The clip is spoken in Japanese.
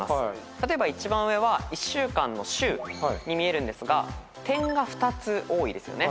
例えば一番上は１週間の「週」に見えるんですが点が２つ多いですよね。